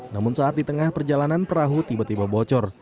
namun saat di tengah perjalanan perahu tiba tiba bocor